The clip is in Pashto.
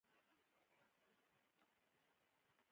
افغانستان یو وروسته پاتې هېواد دی.